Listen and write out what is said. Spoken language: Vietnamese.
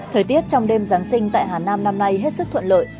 thời tiết trong đêm giáng sinh tại hà nam năm nay hết sức thuận lợi